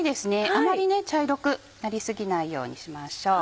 あまり茶色くなり過ぎないようにしましょう。